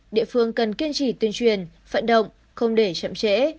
địa phương cần kiên trì tuyên truyền vận động không để chậm trễ